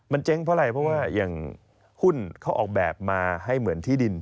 มันเจ๊งเพราะอะไรเพราะว่าอย่างหุ้นเขาออกแบบมาให้เหมือนที่ดิน